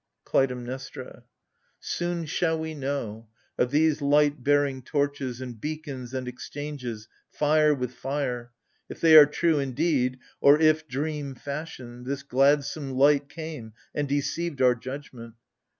KLUTAIMNESTRA. Soon shall we know — of these light bearing torches, And beacons and exchanges, fire with fire — If they are true, indeed, or if, dream fashion. This gladsome light came and deceived our judgment.